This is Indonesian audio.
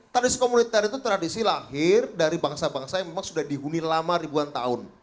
tradisi komulitian itu tradisi lahir dari bangsa bangsa yang memang sudah dihuni lama ribuan tahun